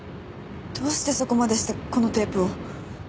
どうしてそこまでしてこのテープを？